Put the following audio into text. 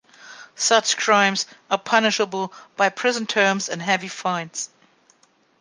Such crimes are punishable by prison terms and heavy fines.